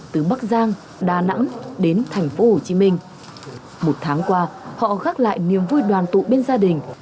từ bắc giang đà nẵng đến thành phố hồ chí minh một tháng qua họ gác lại niềm vui đoàn tụ bên gia đình